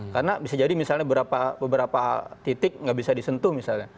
karena bisa jadi misalnya beberapa titik nggak bisa disentuh misalnya